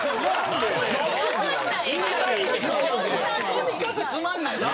とにかくつまんない！